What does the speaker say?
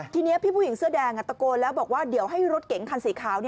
ทีนี้พี่ผู้หญิงเสื้อแดงตะโกนแล้วบอกว่าเดี๋ยวให้รถเก๋งคันสีขาว